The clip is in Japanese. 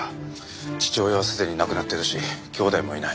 父親はすでに亡くなってるし兄弟もいない。